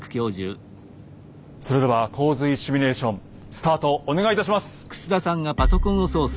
それでは洪水シミュレーションスタートお願いいたします！